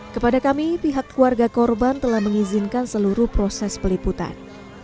kepada kami pihak keluarga korban telah mengizinkan seluruh proses peliputan